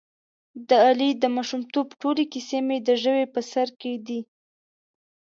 د علي د ماشومتوب ټولې کیسې مې د ژبې په سر کې دي.